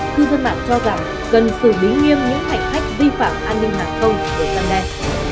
cư dân mạng cho rằng cần xử lý nghiêm những hành khách vi phạm an ninh hàng không của dân đen